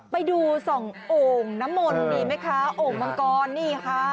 ไปดูส่องโอ่งน้ำมนต์ดีไหมคะโอ่งมังกรนี่ค่ะ